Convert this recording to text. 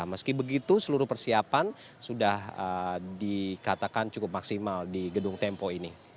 meski begitu seluruh persiapan sudah dikatakan cukup maksimal di gedung tempo ini